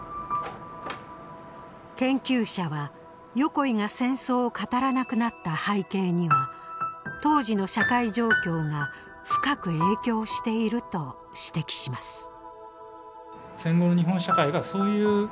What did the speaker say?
研究者は横井が戦争を語らなくなった背景には当時の社会状況が深く影響していると指摘します。